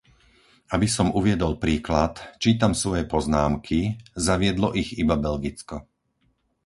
Aby som uviedol príklad, čítam svoje poznámky, zaviedlo ich iba Belgicko.